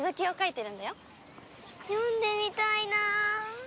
読んでみたいな！